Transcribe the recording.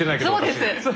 そうです。